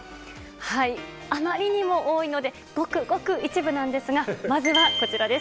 あまりにも多いので、ごくごく一部なんですが、まずはこちらです。